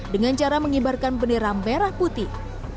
dengan cara mengibarkan bendera merah putih